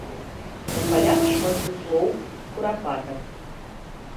На палях шмат буслоў, курапатак.